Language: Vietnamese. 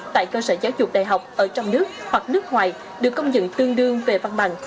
tại cơ sở giáo dục đại học ở trong nước hoặc nước ngoài được công nhận tương đương về văn bằng